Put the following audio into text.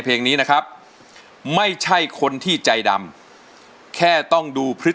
ฟังดีนะครับนี่คือเนื้อ